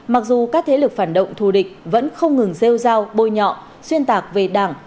mặc dù các thế lực phản động thù địch vẫn không ngừng rêu rao bôi nhọ xuyên tạc về đảng